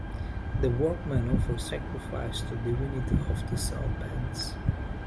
The workmen offer sacrifice to the divinity of the saltpans.